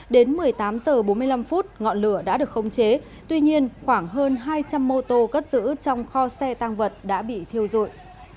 đến một mươi tám h bốn mươi năm ngọn lửa đã được khống chế tuy nhiên khoảng hơn hai trăm linh mô tô cất giữ trong kho xe tăng vật đã bị thiêu rụi